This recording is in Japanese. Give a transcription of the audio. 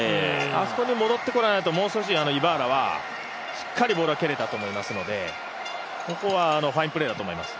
あそこで戻ってこないともう少しイバーラはしっかりボールが蹴れたと思いますので、そこはファインプレーだと思います。